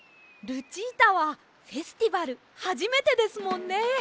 ルチータはフェスティバルはじめてですもんね。